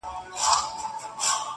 مي تاته شعر ليكه~